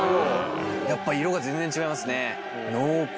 やっぱ色が全然違いますね濃厚。